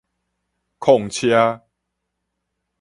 礦車